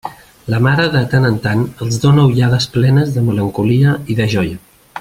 La mare de tant en tant els dóna ullades plenes de melancolia i de joia.